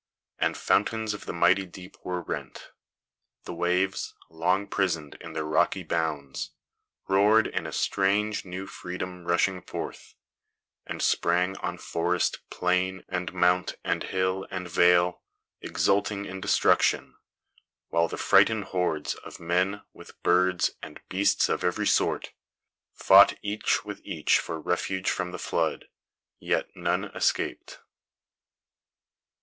The fountains of the mighty deep were rent, The waves, long prisoned in their rocky bounds, Roared, in a strange new freedom rushing forth, And sprang on forest, plain, and mount, and hill, and vale, Exulting in destruction; while the frightened hordes Of men, with birds and beasts of every sort, Fought each with each for refuge from the flood, Yet none escaped."